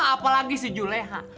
apalagi si juleha